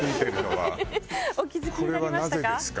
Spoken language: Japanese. お気付きになりましたか。